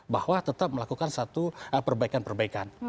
bahwa tetap melakukan satu perbaikan perbaikan